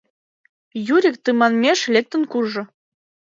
Юрик тыманмеш лектын куржо.